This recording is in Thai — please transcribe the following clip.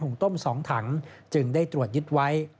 งต้ม๒ถังจึงได้ตรวจยึดไว้